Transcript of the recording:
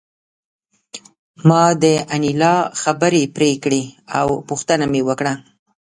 ما د انیلا خبرې پرې کړې او پوښتنه مې وکړه